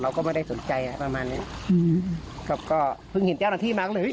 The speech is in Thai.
เราก็ไม่ได้สนใจอะไรประมาณเนี้ยอืมครับก็เพิ่งเห็นเจ้าหน้าที่มาก็เลย